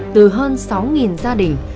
từ hơn sáu gia đình